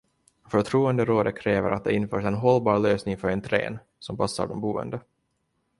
Förtroenderådet kräver att det införs en hållbar lösning för entrén som passar de boende.